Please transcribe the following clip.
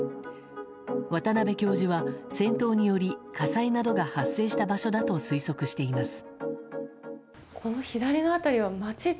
渡邉教授は、戦闘により火災などが発生した場所だと推測しています。